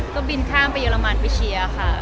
ก็บินข้ามไปเยอรมันพิเชียค่ะ